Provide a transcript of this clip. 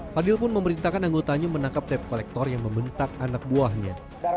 fadil pun memerintahkan anggotanya menangkap debt collector yang membentak anak buahnya